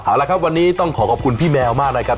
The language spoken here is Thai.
เอาละครับวันนี้ต้องขอขอบคุณพี่แมวมากนะครับ